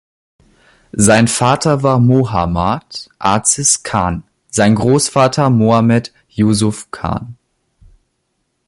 Sein Vater war Mohammad Aziz Khan, sein Großvater Mohammed Yusuf Khan.